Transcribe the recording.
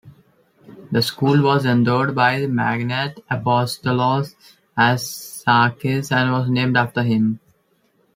The school was endowed by the magnate Apostolos Arsakis and was named after him.